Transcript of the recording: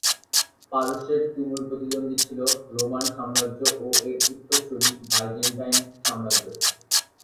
পারস্যের তুমুল প্রতিদ্বন্দ্বী ছিল রোমান সাম্রাজ্য ও এর উত্তরসূরি বাইজেন্টাইন সাম্রাজ্য।